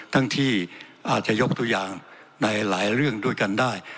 ทั้งที่อาจจะยกตัวอย่างในหลายเรื่องด้วยกันได้